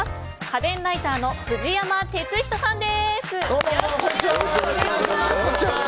家電ライターの藤山哲人さんです。